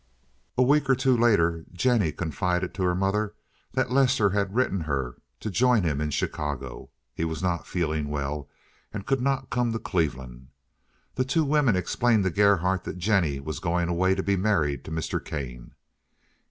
A week or two later Jennie confided to her mother that Lester had written her to join him in Chicago. He was not feeling well, and could not come to Cleveland. The two women explained to Gerhardt that Jennie was going away to be married to Mr. Kane.